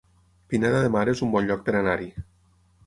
Pineda de Mar es un bon lloc per anar-hi